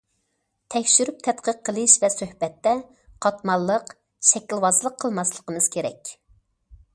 تەكشۈرۈپ تەتقىق قىلىش ۋە سۆھبەتتە قاتماللىق، شەكىلۋازلىق قىلماسلىقىمىز كېرەك.